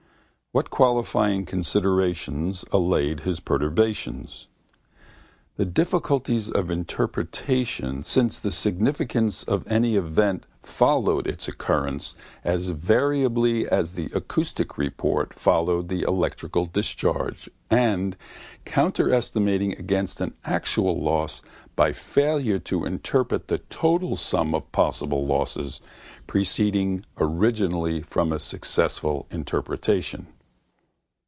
What qualifying considerations allayed his perturbations? The difficulties of interpretation since the significance of any event followed its occurrence as variably as the acoustic report followed the electrical discharge and of counterestimating against an actual loss by failure to interpret the total sum of possible losses proceeding originally from a successful interpretation.